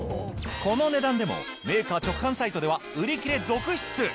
この値段でもメーカー直販サイトでは売り切れ続出！